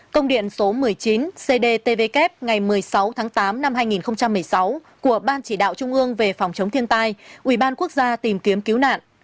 công điện số một mươi chín cdtvk ngày một mươi sáu tháng tám năm hai nghìn một mươi sáu của ban chỉ đạo trung ương về phòng chống thiên tai ubnd quốc gia tìm kiếm cứu nạn